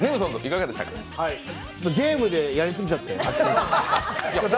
ゲームでやりすぎちゃって。